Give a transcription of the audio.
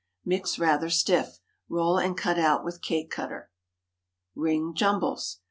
Mix rather stiff. Roll and cut out with a cake cutter. RING JUMBLES.